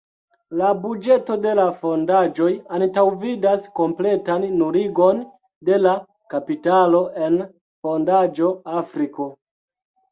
La buĝeto de la fondaĵoj antaŭvidas kompletan nuligon de la kapitalo en fondaĵo Afriko.